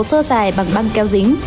sơ xài bằng băng keo dính